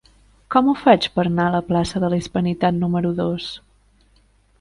Com ho faig per anar a la plaça de la Hispanitat número dos?